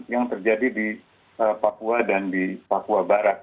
yang terjadi di papua dan di papua barat